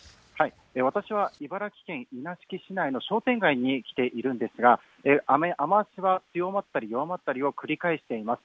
私は茨城県稲敷市内の商店街に来ているんですが雨足は強まったり弱まったりを繰り返しています。